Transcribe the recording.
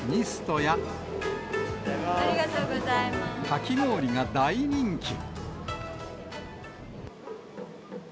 かき氷が大人気。